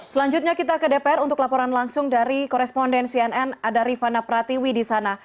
selanjutnya kita ke dpr untuk laporan langsung dari koresponden cnn ada rifana pratiwi di sana